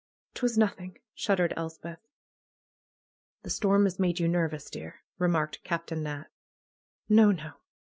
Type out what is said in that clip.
'Twas nothing!" shuddered Elspeth. "The storm has made you nervous, dear," remarked Captain Nat. "No, no!